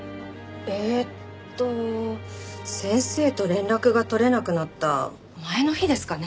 えーと先生と連絡が取れなくなった前の日ですかね。